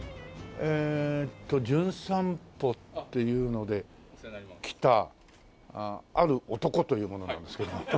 えっと『じゅん散歩』っていうので来たある男という者なんですけども。